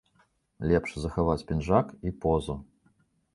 Лепш захаваць пінжак і позу.